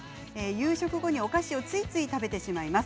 夕食後のお菓子をついつい食べてしまいます。